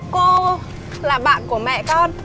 cô là bạn của mẹ con